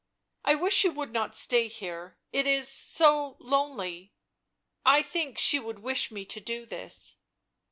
" I wish you would not stay here — it is so lonely "" I think she would wish me to do this."